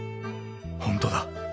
本当だ。